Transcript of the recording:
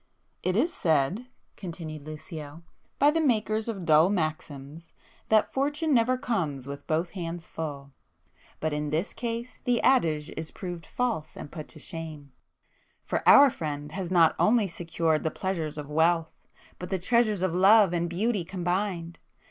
"It is said"—continued Lucio, "by the makers of dull maxims, that 'Fortune never comes with both hands full'—but in this case the adage is proved false and put to shame,—for our friend has not only secured the pleasures of wealth, but the treasures of love and beauty combined.